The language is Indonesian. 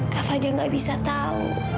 kak fadil gak bisa tahu